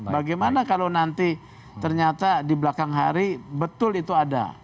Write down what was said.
bagaimana kalau nanti ternyata di belakang hari betul itu ada